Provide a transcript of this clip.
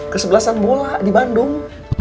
kesebelasan bola di bandung